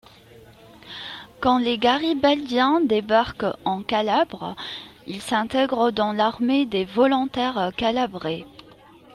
Quand les garibaldiens débarquent en Calabre, ils s'intègrent dans l'armée des volontaires calabrais.